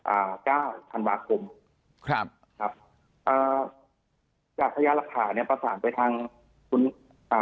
อ่าเก้าธรรมคุมครับครับอ่าจากทรยศรักษาเนี่ยประสานไปทางคุณอ่า